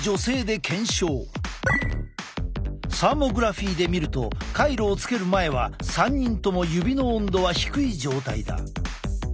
サーモグラフィーで見るとカイロをつける前は３人とも指の温度は低い状態だ。